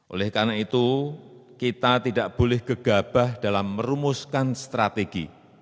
oleh karena itu kita tidak boleh gegabah dalam merumuskan strategi